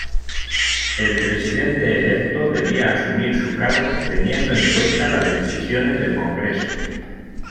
El presidente electo debía asumir su cargo, teniendo en cuenta las decisiones del Congreso.